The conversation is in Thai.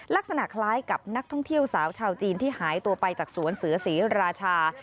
ลักษณะคล้ายกับนักท่องเที่ยวสาวชาวจีนที่หายตัวไปจากสวนเสือศรีราชา